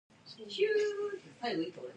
Russia and Azerbaijan have not signed it.